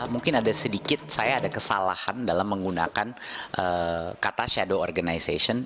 mungkin ada sedikit saya ada kesalahan dalam menggunakan kata shadow organization